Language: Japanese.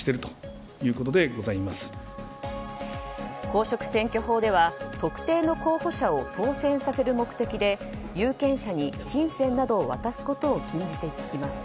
公職選挙法では特定の候補者を当選させる目的で有権者に金銭などを渡すことを禁じています。